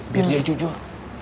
biar dia jujur